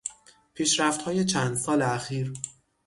پیشرفتهای چند سال اخیر